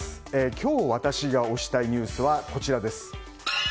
今日、私が推したいニュースはこちらです。